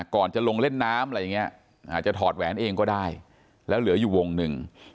ก่อนจะลงเล่นน้ำอะไรอย่างนี้อาจจะถอดแหวนเองก็ได้แล้วเหลืออยู่วงหนึ่ง